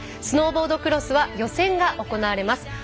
スノーボードクロスは予選が行われます。